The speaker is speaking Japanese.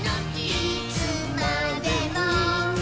いつまでも。